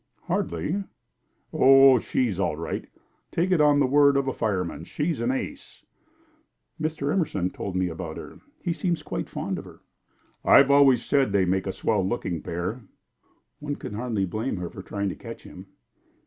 "Hardly!" "Oh, she's all right. Take it on the word of a fire man, she's an ace." "Mr. Emerson told me about her. He seems quite fond of her." "I've always said they'd make a swell looking pair." "One can hardly blame her for trying to catch him."